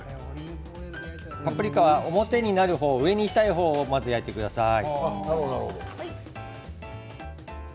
パプリカは表になる方上にしたい方をまず焼いてください。